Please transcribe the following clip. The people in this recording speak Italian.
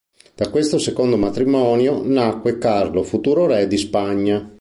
Da questo secondo matrimonio nacque Carlo, futuro re di Spagna.